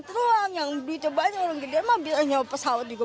tolong yang ditebani orang gedean mah bisa nyawa pesawat juga